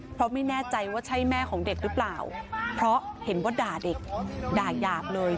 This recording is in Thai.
เพราะไม่แน่ใจว่าใช่แม่ของเด็กหรือเปล่าเพราะเห็นว่าด่าเด็กด่ายาบเลย